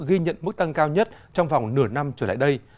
ghi nhận mức tăng cao nhất trong vòng nửa năm trở lại đây